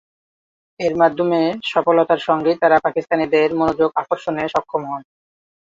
এর মাধ্যমে সফলতার সঙ্গেই তারা পাকিস্তানিদের মনোযোগ আকর্ষণে সক্ষম হন।